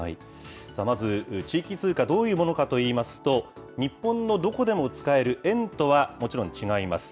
まず、地域通貨、どういうものかといいますと、日本のどこでも使える円とはもちろん違います。